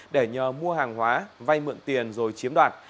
để nhờ mua hàng hóa vay mượn tiền rồi chiếm đoạt